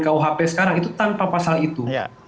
kuhp sekarang itu tanpa pasal itu